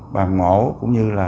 bàn mổ cũng như là